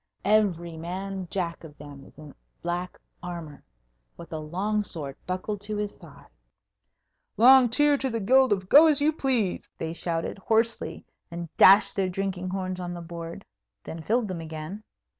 Every man jack of them is in black armour, with a long sword buckled to his side. "Long cheer to the Guild of Go as you Please!" they shouted, hoarsely, and dashed their drinking horns on the board. Then filled them again.